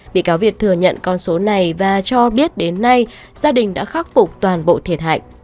bị cáo việt thừa nhận con số này và cho biết đến nay gia đình đã khắc phục toàn bộ thiệt hại